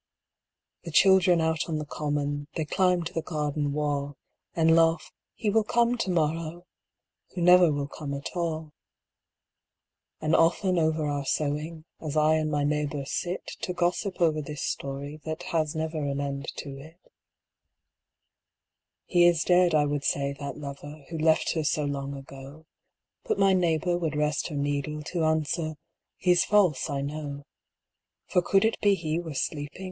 The children out on the common: They climb to the garden wall; And laugh: "He will come to morrow!" Who never will come at all. And often over our sewing, As I and my neighbour sit To gossip over this story That has never an end to it, "He is dead," I would say, "that lover, Who left her so long ago," But my neighbour would rest her needle To answer, "He's false I know." "For could it be he were sleeping.